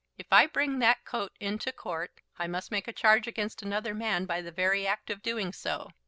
If I bring that coat into court I must make a charge against another man by the very act of doing so.